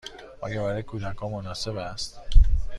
آیا برای کودکان مناسب است؟